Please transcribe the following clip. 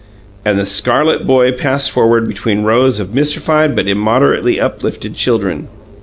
And the scarlet boy passed forward between rows of mystified but immoderately uplifted children.